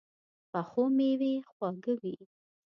پخو مېوې خواږه وي